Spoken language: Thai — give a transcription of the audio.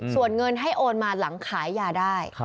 ส่วนเงินให้โอนมาหลังขายยาได้